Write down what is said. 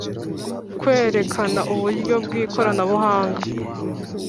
Kwerekana uburyo bw ikorabuhanga